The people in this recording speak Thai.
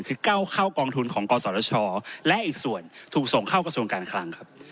คือก้าวเข้ากองทุนของกศชและอีกส่วนถูกส่งเข้ากระทรวงการคลังครับ